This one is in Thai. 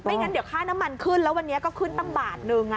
งั้นเดี๋ยวค่าน้ำมันขึ้นแล้ววันนี้ก็ขึ้นตั้งบาทนึง